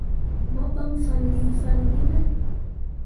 Mo ɓan fanlii fanne gi me.